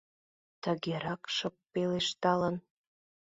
Тыгерак шып пелешталын: